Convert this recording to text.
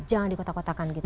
jangan dikotak kotakan gitu